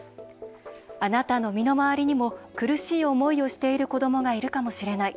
あなたの身の回りにも苦しい思いをしている子どもがいるかもしれない。